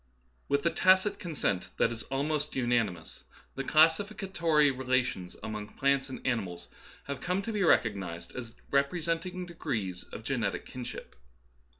With a tacit consent that is almost unanimous, the classificatory relations among plants and animals have come to be recognized as representing degrees of genetic kinship.